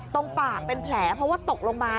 ตรงปากเป็นแผลเพราะว่าตกลงมา